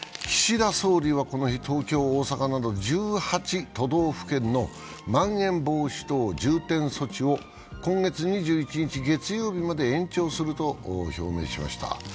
岸田総理はこの日、東京、大阪など１８都道府県のまん延防止等重点措置を今月２１日月曜日まで延長すると表明しました。